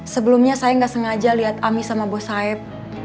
sebelumnya saya gak sengaja lihat ami sama bos saeb